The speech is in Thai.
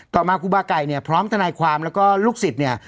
มาครูบาไก่เนี่ยพร้อมทนายความแล้วก็ลูกศิษย์เนี่ย